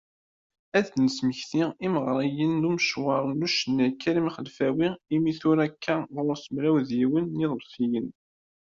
Ad d-nesmekti imeɣriyen s umecwar n ucennay Karim Xelfawi, mi tura akka ɣur-s mraw d yiwen n yiḍebsiyen.